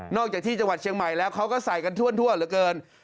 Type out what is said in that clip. จากที่จังหวัดเชียงใหม่แล้วเขาก็ใส่กันทั่วเหลือเกิน